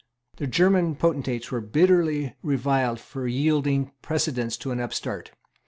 The German potentates were bitterly reviled for yielding precedence to an upstart.